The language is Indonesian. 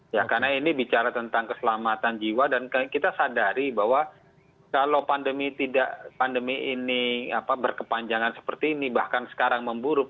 ya karena ini bicara tentang keselamatan jiwa dan kita sadari bahwa kalau pandemi ini berkepanjangan seperti ini bahkan sekarang memburuk